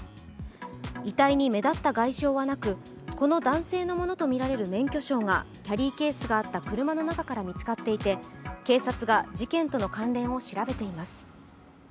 遺体に目立った外傷はなく、この男性のものとみられる免許証がキャリーケースがあった車の中から見つかっていて警察が事件との関連を調べています。